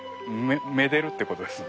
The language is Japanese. めでるってことです